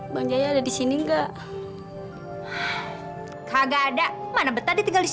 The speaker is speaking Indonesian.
kalau dia bikin lu kebeles beles